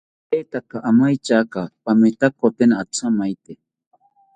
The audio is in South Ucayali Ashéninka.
Paretaka amaityaka pamitakotena athamaite